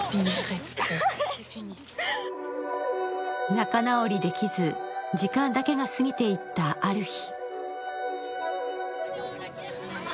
仲直りできず時間だけが過ぎていったある日。